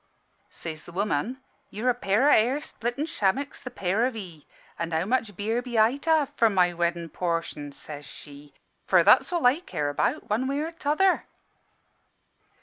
"Says the woman, 'You're a pair o' hair splitting shammicks, the pair of 'ee. An' how much beer be I to have for my weddin' portion?' (says she) 'for that's all I care about, one way or t'other.'